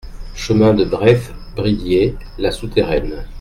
Chemin de Breith Bridiers, La Souterraine